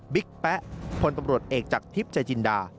บิ๊กแป๊ะคนตำรวจเอกจากทิพย์จัยจินดา